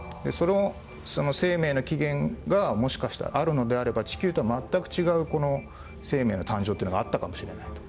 その生命の起源がもしかしたらあるのであれば地球とは全く違う生命の誕生っていうのがあったかもしれないと。